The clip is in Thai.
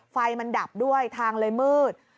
ไฟมันดับด้วยทางเลยมืด